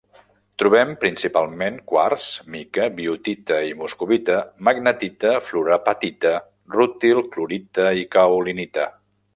Trobem principalment quars, mica, biotita i moscovita, magnetita, fluorapatita, rútil, clorita i caolinita.